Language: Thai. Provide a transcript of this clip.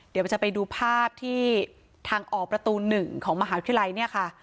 เดี๋ยวจะไปดูภาพที่ทางออกประตู๑ของมหาวิทยาลัยเนี่ยค่ะ